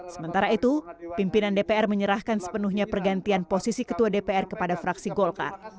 sementara itu pimpinan dpr menyerahkan sepenuhnya pergantian posisi ketua dpr kepada fraksi golkar